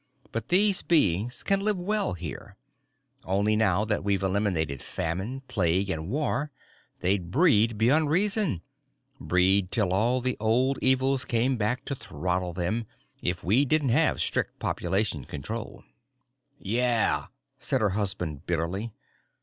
But these beings can live well here. Only now that we've eliminated famine, plague, and war, they'd breed beyond reason, breed till all the old evils came back to throttle them, if we didn't have strict population control._ "Yeah," said her husband bitterly.